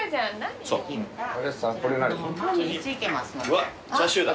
うわチャーシューだ。